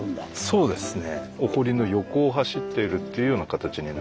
そうですね。